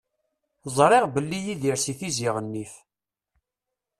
Ẓriɣ belli Yidir si Tizi Ɣennif.